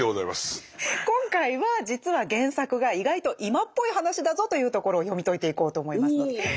今回は実は原作が意外と今っぽい話だぞというところを読み解いていこうと思います。